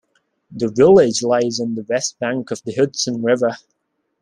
The village lies on the west bank of the Hudson River.